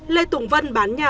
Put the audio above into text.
lê tùng vân bán nhà